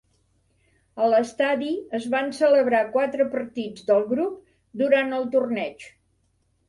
A l"estadi es van celebrar quatre partits del grup durant el torneig.